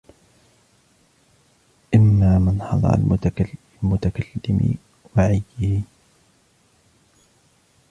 إمَّا مِنْ حَصْرِ الْمُتَكَلِّمِ وَعِيِّهِ